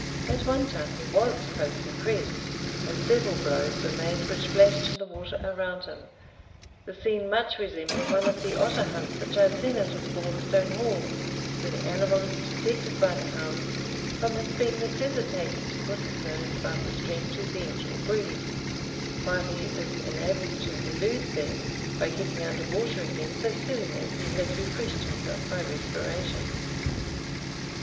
At one time he was closely pressed, and several blows were made which flashed in the water around him; the scene much resembling one of the otter hunts which I had seen at Osbaldistone Hall, where the animal is detected by the hounds from his being necessitated to put his nose above the stream to vent or breathe, while he is enabled to elude them by getting under water again so soon as he has refreshed himself by respiration.